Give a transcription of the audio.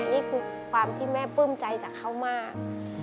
นี่คือความที่แม่ปลื้มใจจากเขามาก